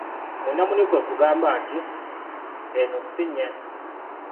Munda muli kwe kugamba nti: "Eno si nnyana".